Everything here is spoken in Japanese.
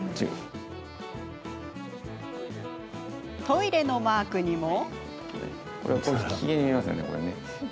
トイレのマークにも。